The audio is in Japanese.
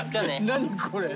何これ。